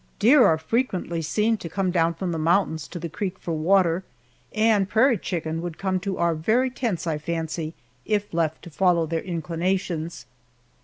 Deer are frequently seen to come down from the mountains to the creek for water, and prairie chicken would come to our very tents, I fancy, if left to follow their inclinations.